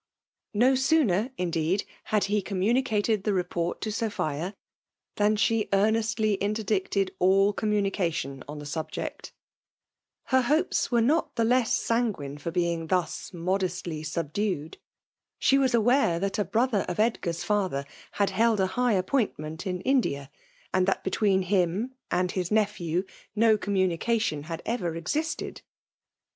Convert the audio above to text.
No sooner, indeed^ liad be annmanicated the report to Sopfaia, tlian she eantestly interdicted all comnuinication on the enkkject* Her hopes were not the lesa sangmnc for being thns modestly snbdued* She was aware thai a brothar of Edgair's &lher had held a high appointment in India,^ and that between him and his nephew no communication had erer existed.